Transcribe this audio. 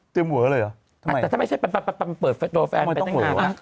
เตรียมเหว้อเลยเหรอทำไมเปิดตัวแฟนเลยทำไมต้องเหว้อ